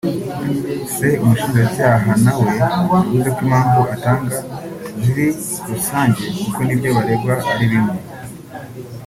c Umushinjacyaha nawe yavuze ko impamvu atanga ziri rusange kuko n’ibyo baregwa ari bimwe